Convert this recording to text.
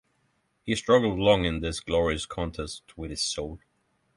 He struggled long in this glorious contest with his soul.